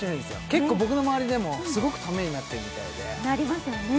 結構僕の周りでもすごくためになってるみたいでなりますよね